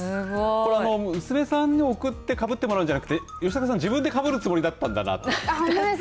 これ娘さんに送ってかぶってもらうんじゃなくてよしたかさん自分でかぶるつもりだったんだなと。